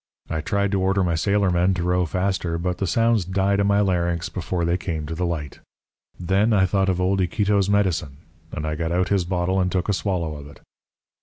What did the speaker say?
I tried to order my sailormen to row faster, but the sounds died in my larynx before they came to the light. Then I thought of old Iquito's medicine, and I got out his bottle and took a swallow of it.